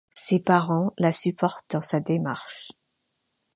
Ses parents la supportent dans sa démarche.